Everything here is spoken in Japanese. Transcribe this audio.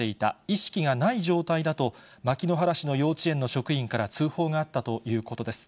意識がない状態だと、牧之原市の幼稚園の職員から通報があったということです。